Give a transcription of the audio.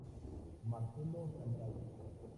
Marcelo Zambrano.